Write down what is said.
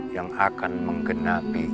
yang akan menggenapi